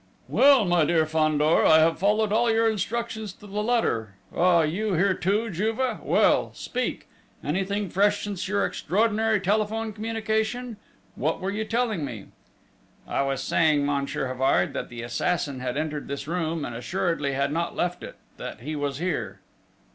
"Well, my dear Fandor, I have followed all your instructions to the letter!... Ah! you here, too, Juve! Well?... Speak! Anything fresh since your extraordinary telephone communication?... What were you telling me?" "I was saying, Monsieur Havard, that the assassin had entered this room, and assuredly had not left it that he was here!..."